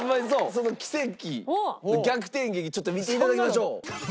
その奇跡逆転劇ちょっと見て頂きましょう。